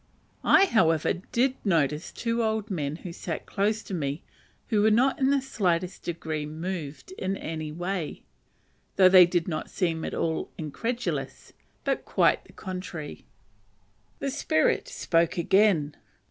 I, however, did notice two old men, who sat close to me, were not in the slightest degree moved in any way, though they did not seem at all incredulous, but quite the contrary. The spirit spoke again.